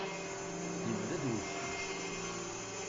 Yebda-d wedfel.